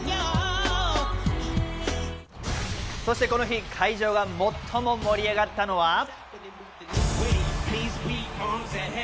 そしてこの日、会場が最も盛り上がったのは。